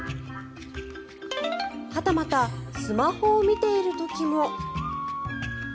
はたまたスマホを見ている時も。